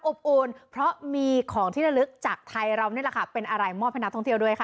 อบอุ่นเพราะมีของที่ระลึกจากไทยเรานี่แหละค่ะเป็นอะไรมอบให้นักท่องเที่ยวด้วยค่ะ